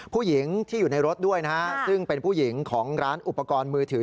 ผู้หญิงที่อยู่ในรถด้วยนะฮะซึ่งเป็นผู้หญิงของร้านอุปกรณ์มือถือ